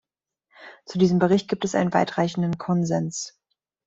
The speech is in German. Zu diesem Bericht gibt es einen weit reichenden Konsens.